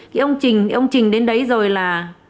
cái ông trình ông trình đến đấy rồi là